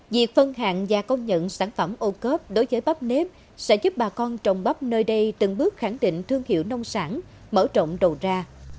việc phân hạng và công nhận sản phẩm ô cớp đối với bắp nếp sẽ giúp bà con trồng bắp nơi đây từng bước khẳng định thương hiệu nông sản mở rộng đầu ra